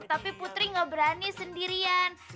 tapi putri gak berani sendirian